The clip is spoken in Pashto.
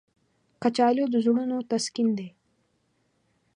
کچالو د زړونو تسکین دی